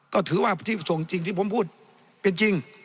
ก็ถือว่าที่ส่งจริงที่ผมพูดเป็นจริง